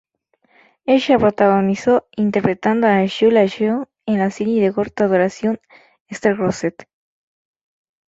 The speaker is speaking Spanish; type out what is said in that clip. Ella protagonizó interpretando a Julia Yeung en la serie de corta duración "Star-Crossed".